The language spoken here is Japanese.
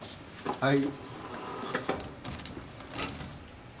はい。